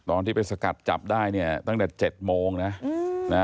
ตอนที่ไปสกัดจับได้เนี่ยตั้งแต่๗โมงนะ